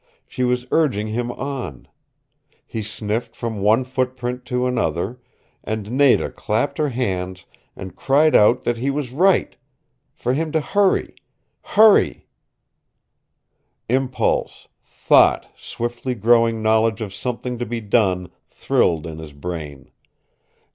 She was urging him on. He sniffed from one footprint to another, and Nada clapped her hands and cried out that he was right for him to hurry hurry Impulse, thought, swiftly growing knowledge of something to be done thrilled in his brain.